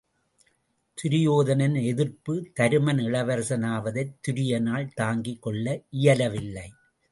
துரியோதனின் எதிர்ப்பு தருமன் இளவரசன் ஆவதைத் துரியானால் தாங்கிக் கொள்ள இயலவில்லை.